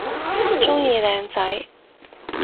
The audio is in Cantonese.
鍾意靚仔